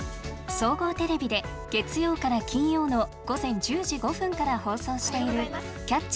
総合テレビで月曜から金曜の午前１０時５分から放送している「キャッチ！